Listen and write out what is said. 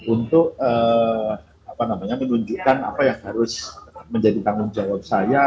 untuk menunjukkan apa yang harus menjadi tanggung jawab saya